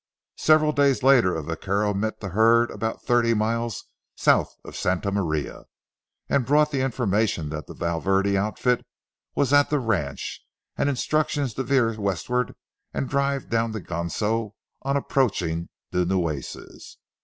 Several days later a vaquero met the herd about thirty miles south of Santa Maria, and brought the information that the Valverde outfit was at the ranch, and instructions to veer westward and drive down the Ganso on approaching the Nueces.